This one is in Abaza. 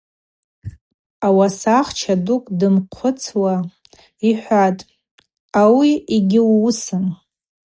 Ауасахча дукӏ дымхъвыцуа йхӏватӏ: – Ауи гьуысым.